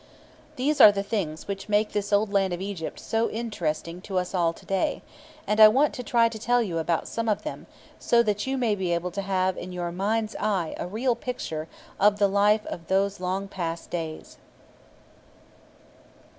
These are the things which make this old land of Egypt so interesting to us all to day; and I want to try to tell you about some of them, so that you may be able to have in your mind's eye a real picture of the life of those long past days.